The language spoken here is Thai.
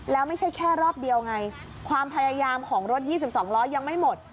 แล้วไม่ใช่แค่รอบเดียวไงความพยายามของรถ๒๒ล้อยังไม่หมด